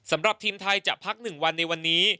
สำหรับทีมไทยจะพัก๑วันในวันนี้